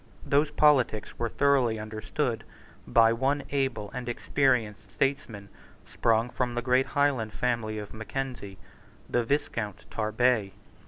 Those politics were thoroughly understood by one able and experienced statesman, sprung from the great Highland family of Mackenzie, the Viscount Tarbet.